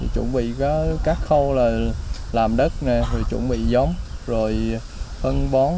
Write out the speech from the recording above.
chuẩn bị các khâu là làm đất chuẩn bị giống rồi phân bón